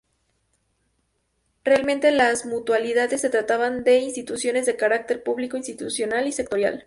Realmente las mutualidades se trataban de instituciones de carácter público institucional y sectorial.